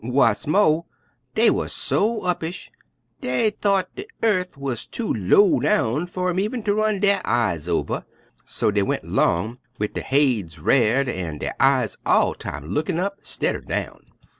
W'ats mo', dey wuz so uppish dey thought de yearf wuz too low down fer 'em even ter run der eyes over, so dey went 'long wid der haids r'ared an' der eyes all time lookin' up, stidder down.